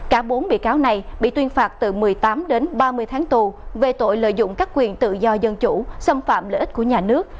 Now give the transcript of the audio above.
cả bốn bị cáo này bị tuyên phạt từ một mươi tám đến ba mươi tháng tù về tội lợi dụng các quyền tự do dân chủ xâm phạm lợi ích của nhà nước